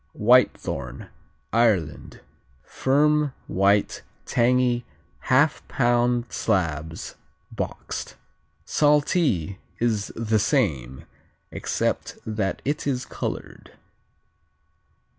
Whitethorn Ireland Firm; white; tangy; half pound slabs boxed. Saltee is the same, except that it is colored.